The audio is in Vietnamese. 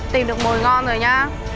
tìm được mồi ngon rồi nhá